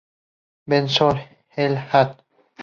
Benson "et al.